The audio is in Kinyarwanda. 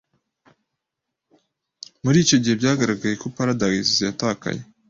muri icyo gihe byaragaragaye ko Paradise yatakaye